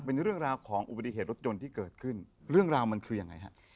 เป็นเรื่องราวของอุบัติเหตุรถยนต์ที่เกิดขึ้นเรื่องราวมันคือยังไงฮะ